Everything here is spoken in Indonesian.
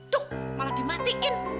tuh malah dimatikan